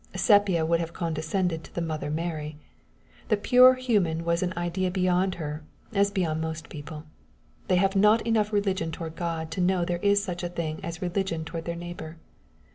Sepia would have condescended to the Mother Mary. The pure human was an idea beyond her, as beyond most people. They have not enough religion toward God to know there is such a thing as religion toward their neighbor.